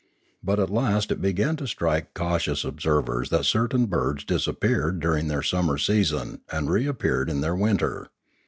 But at last it began to strike cautious observers that certain birds disap peared during their summer season and reappeared in their winter.